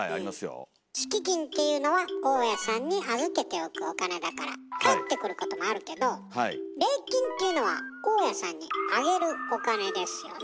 「敷金」っていうのは大家さんに預けておくお金だから返ってくることもあるけど「礼金」っていうのは大家さんにあげるお金ですよね。